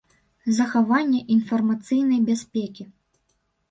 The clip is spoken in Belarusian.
Захаванне iнфармацыйнай бяспекi.